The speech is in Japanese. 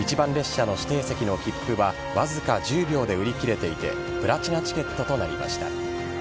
一番列車の指定席の切符はわずか１０秒で売り切れていてプラチナチケットとなりました。